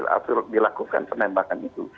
waktu dilakukan penembakan itu